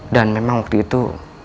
dan memang waktu itu